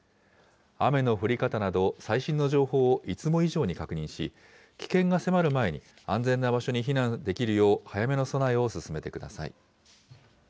雨の降り方など、最新の情報をいつも以上に確認し、危険が迫る前に、安全な場所に避難できるよう、早めの備えを進めてください。